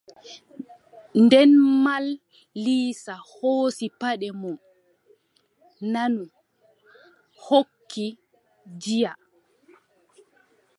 Nden Mal Iisa hoosi paɗe mon nanu hokki Diya.